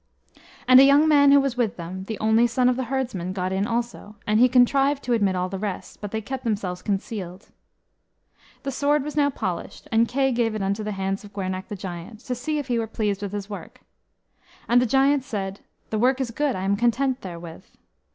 And a young man who was with them, the only son of the herdsman, got in also; and he contrived to admit all the rest, but they kept themselves concealed. The sword was now polished, and Kay gave it unto the hand of Gwernach the Giant, to see if he were pleased with his work. And the giant said, "The work is good; I am content therewith."